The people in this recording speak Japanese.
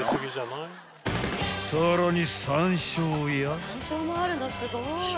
［さらに］